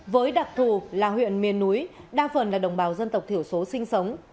với đặc thù là huyện miền núi đa phần là đồng bào dân tộc thiểu số sinh sống